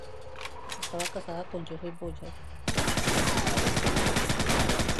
Estaba casada con Josep Boya.